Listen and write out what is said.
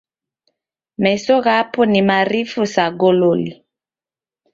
Meso ghapo ni marifu sa gololi.